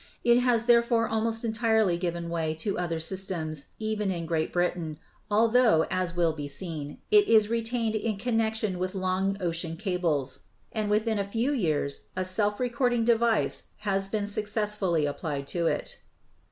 It has therefore almost entirely given way to other sys tems, even in Great Britain, altho, as will be seen, it is retained in connection with long ocean cables, and within 298 ELECTRICITY a few years a self recording device has been successfully applied to it.